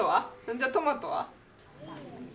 じゃあトマトは？